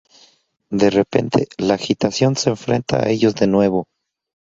De repente, la agitación se enfrenta a ellos de nuevo.